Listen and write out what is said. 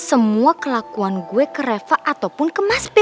semua kelakuan gue ke reva ataupun ke mas pi